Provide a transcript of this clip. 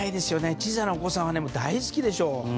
小さなお子さんは大好きでしょう。